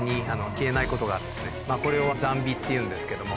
これを残火っていうんですけども。